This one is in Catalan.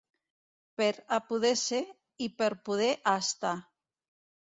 Per a poder ser i per poder a estar.